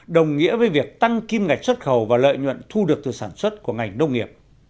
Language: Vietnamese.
đồng nghĩa với việc tăng kim ngạch xuất khẩu và lợi nhuận thu được từ sản xuất của ngành nông nghiệp